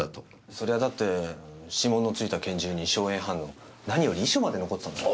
そりゃだって指紋の付いた拳銃に硝煙反応何より遺書まで残ってたんですから。